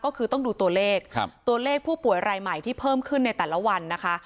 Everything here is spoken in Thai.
ก็คือต้องดูตัวเลขตัวเลขผู้ป่วยรายใหม่ที่เพิ่มขึ้นในแต่ละวันนะคะ